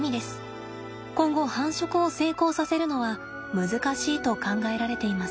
今後繁殖を成功させるのは難しいと考えられています。